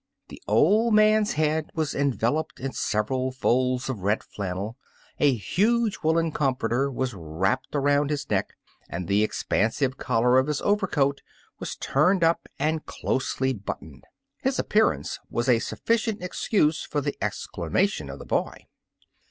'* The old man's head was enveloped in several folds of red flannel, a huge woolen comforter was wrapped around his neck, and the expansive collar of his overcoat was tumed up and closely buttoned. His appearance was a sufficient excuse for the exclamation of the boy.